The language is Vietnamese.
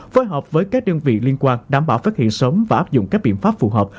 phối hợp với các đơn vị liên quan đảm bảo phát hiện sớm và áp dụng các biện pháp phù hợp